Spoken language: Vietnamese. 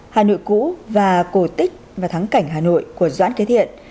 hà nội cũ và cổ tích và thắng cảnh hà nội của doãn kế thiện